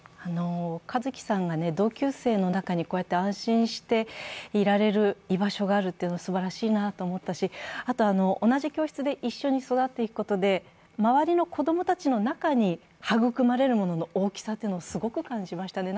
和毅さんが同級生の中に安心していられる居場所があるというのはすばらしいなと思ったし、同じ教室で一緒に育っていくことで、周りの子供たちの中に育まれるものの大きさというのをすごく感じましたね。